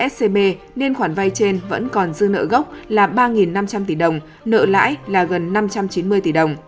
scb nên khoản vay trên vẫn còn dư nợ gốc là ba năm trăm linh tỷ đồng nợ lãi là gần năm trăm chín mươi tỷ đồng